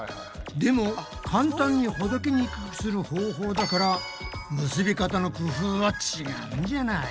でも簡単にほどけにくくする方法だから結び方の工夫は違うんじゃない？